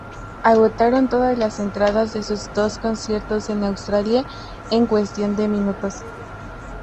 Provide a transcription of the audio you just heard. Agotaron todas las entradas de sus dos conciertos en Australia en cuestión de minutos.